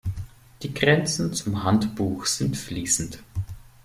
Die Grenzen zum Handbuch sind fließend.